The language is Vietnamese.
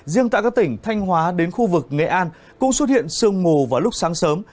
riêng tại các tỉnh thanh hóa đến khu vực nghệ an cũng xuất hiện sương mù vào lúc sáng sớm